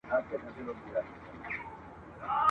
شمع به اوس څه وايی خوله نه لري !.